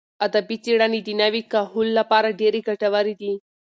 ادبي څېړنې د نوي کهول لپاره ډېرې ګټورې دي.